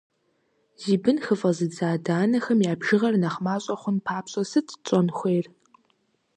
Зи бын хыфӏэзыдзэ адэ-анэхэм я бжыгъэр нэхъ мащӏэ хъун папщӏэ сыт щӏэн хуейр?